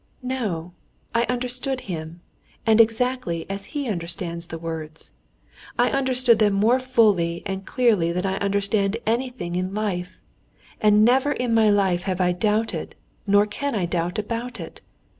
No, I understood him, and exactly as he understands the words. I understood them more fully and clearly than I understand anything in life, and never in my life have I doubted nor can I doubt about it.